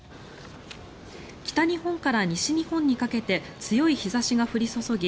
北日本から西日本にかけて強い日差しが降り注ぎ